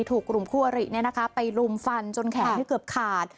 ถูกกลุ่มคู่อริไปลุมฟันจนแขนเกือบขาด